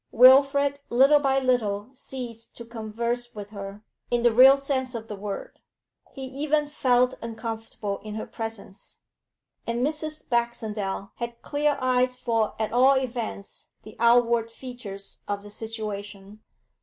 Wilfrid little by little ceased to converse with her, in the real sense of the word; he even felt uncomfortable in her presence. And Mrs. Baxendale had clear eyes for at all events the outward features of the situation.